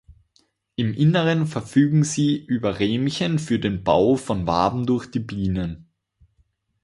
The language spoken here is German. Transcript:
Im Inneren verfügen sie über Rähmchen für den Bau von Waben durch die Bienen.